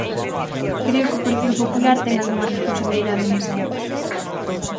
Creo que o Partido Popular ten algunha responsabilidade nesa época.